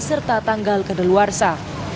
serta tanggal ke dalwarsa